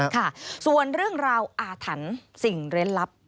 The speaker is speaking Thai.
ค่ะส่วนเรื่องราวอาถรรพ์สิ่งเล่นลับ